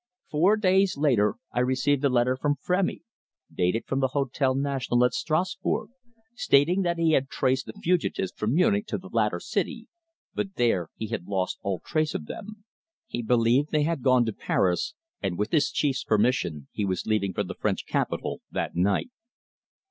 Four days later I received a letter from Frémy, dated from the Hotel National at Strasbourg, stating that he had traced the fugitives from Munich to the latter city, but there he had lost all trace of them. He believed they had gone to Paris, and with his chief's permission he was leaving for the French capital that night.